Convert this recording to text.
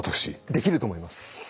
できると思います。